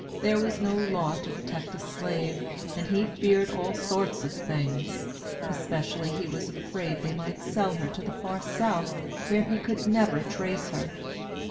There was no law to protect a slave, and he feared all sorts of things; especially, he was afraid they might sell her to the far South, where he could never trace her.